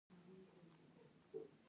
درود شریف باید پرې ووایو.